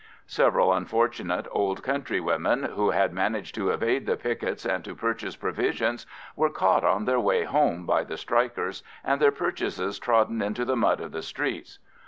Several unfortunate old country women, who had managed to evade the pickets and to purchase provisions, were caught on their way home by the strikers and their purchases trodden into the mud of the streets.